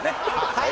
はい